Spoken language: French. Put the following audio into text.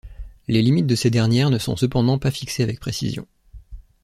Les limites de ces dernières ne sont cependant pas fixées avec précision.